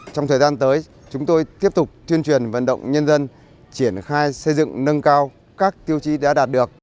trong thời gian tới chúng tôi tiếp tục tuyên truyền vận động nhân dân triển khai xây dựng nâng cao các tiêu chí đã đạt được